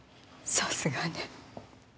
さすがね。